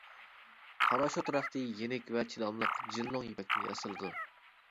پاراشۇت رەختى يېنىك ۋە چىداملىق جىنلۇڭ يىپەكتىن ياسىلىدۇ.